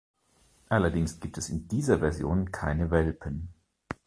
Allerdings gibt es in dieser Version keine Welpen.